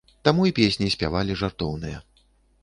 Таму і песні спявалі жартоўныя.